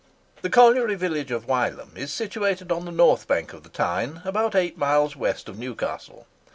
The colliery village of Wylam is situated on the north bank of the Tyne, about eight miles west of Newcastle.